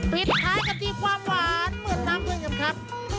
ปิดท้ายกันที่ความหวานเมื่อทำเรื่องนั้นครับ